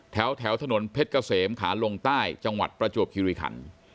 แถวถนนเพชรเกษมขาลงใต้จังหวัดประจวบคิริขัน